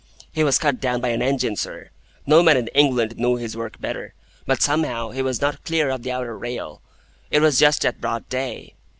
"He was cut down by an engine, sir. No man in England knew his work better. But somehow he was not clear of the outer rail. It was just at broad day.